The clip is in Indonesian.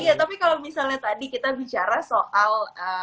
iya tapi kalau misalnya tadi kita bicara soal